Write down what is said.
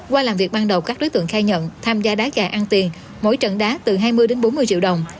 qua làm việc ban đầu các đối tượng khai nhận tham gia đá gà ăn tiền mỗi trận đá từ hai mươi đến bốn mươi triệu đồng